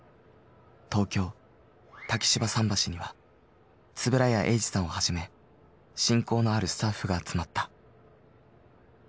東京竹芝桟橋には円谷英二さんをはじめ親交のあるスタッフが集まった。